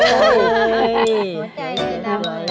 หัวใจเย็นอร่อย